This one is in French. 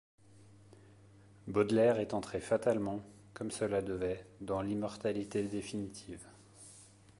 Baudelaire est entré fatalement, comme cela devait, dans l’immortalité définitive.